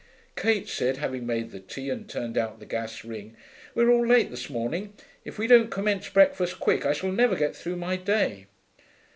Kate said, having made the tea and turned out the gas ring, 'We're all late this morning. If we don't commence breakfast quick I shall never get through my day.'